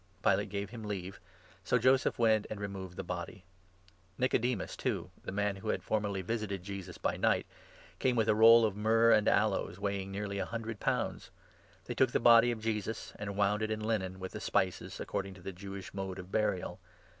Pilate gave him leave ; so Joseph went and removed the body. Nicodemus, too — the man who had 39 formerly visited Jesus by night — came with a roll of myrrh and aloes, weighing nearly a hundred pounds. They took the body 40 of Jesus, and wound it in linen with the spices, according to the Jewish mode of burial.